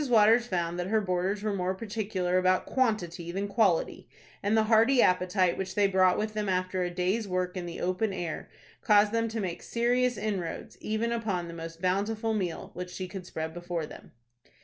Waters found that her boarders were more particular about quantity than quality, and the hearty appetite which they brought with them after a day's work in the open air caused them to make serious inroads even upon the most bountiful meal which she could spread before them.